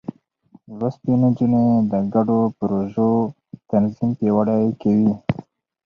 لوستې نجونې د ګډو پروژو تنظيم پياوړې کوي.